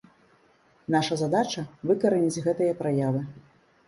Наша задача выкараніць гэтыя праявы.